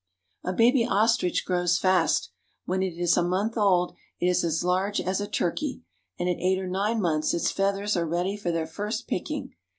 A baby ostrich grows fast. When it is a month old it is as large as a turkey, and at eight or nine months its feathers are ready for their first picking.